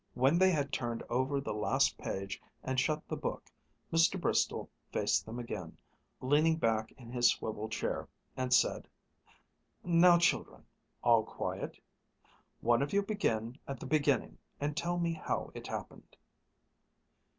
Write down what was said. When they had turned over the last page and shut the book, Mr. Bristol faced them again, leaning back in his swivel chair, and said: "Now, children all quiet? One of you begin at the beginning and tell me how it happened."